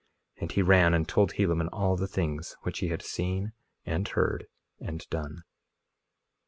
And he ran and told Helaman all the things which he had seen, and heard, and done.